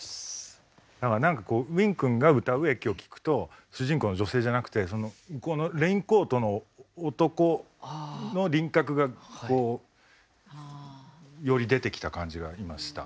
なんかこうＷＩＮ君が歌う「駅」を聴くと主人公の女性じゃなくてその向こうのレインコートの男の輪郭がこうより出てきた感じがありました。